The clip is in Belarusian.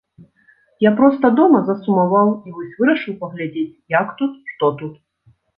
Я проста дома засумаваў, і вось вырашыў паглядзець, як тут, што тут.